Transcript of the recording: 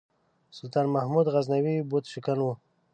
سلطان محمود غزنوي بُت شکن و.